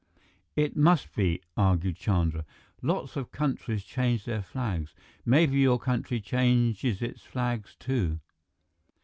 "It must be," argued Chandra. "Lots of countries change their flags. Maybe your country changes its flag, too."